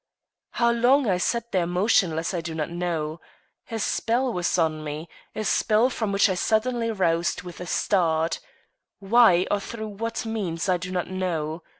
How long I sat there motionless I do not know. A spell was on me a spell from which I suddenly roused with a start. Why or through what means I do not know.